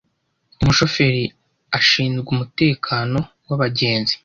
Umushoferi ashinzwe umutekano wabagenzi.